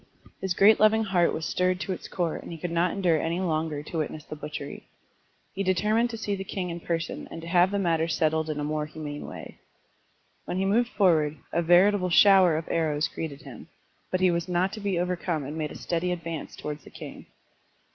His great loving heart was stirred to its core and he could not endure any longer to witness the butchery. He determined to see the king in person and to have the matter settled in a more humane way. When he moved forward, a veritable shower of arrows greeted him, but he was not to be over come and made a steady advance towards the king.